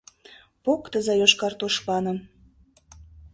Поктыза йошкар тушманым!